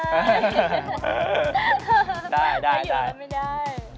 ขยับไปอยู่ก็ไม่ได้